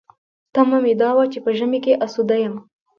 تمه مې دا وه چې په ژمي اسوده یم.